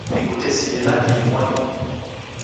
Nikutesie na kihi mwanidu?